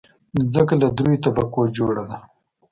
مځکه له دریو طبقو جوړه ده.